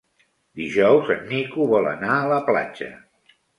Dijous en Nico vol anar a la platja.